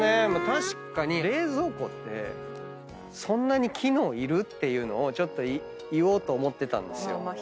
確かに冷蔵庫ってそんなに機能いる？っていうのを言おうと思ってたんですよ。